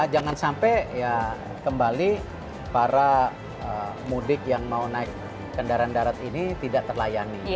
jangan sampai ya kembali para mudik yang mau naik kendaraan darat ini tidak terlayani